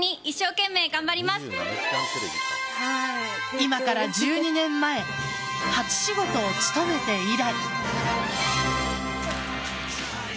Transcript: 今から１２年前初仕事を務めて以来。